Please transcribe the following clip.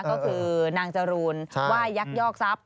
ก็คือนางจรูนว่ายักยอกทรัพย